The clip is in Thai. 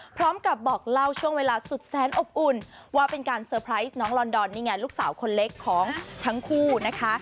พร้อมกับบอกเล่าช่วงเวลาสุดแสนอบอุ่นว่าเป็นการเตอร์ไพรส์น้องลอนดอนนี่ไงลูกสาวคนเล็กของทั้งคู่นะคะ